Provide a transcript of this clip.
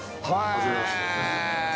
はじめまして。